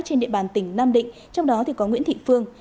trên địa bàn tỉnh nam định trong đó có nguyễn thị phương